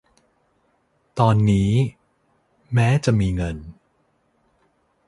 ตอนนี้ แม้จะมีเงิน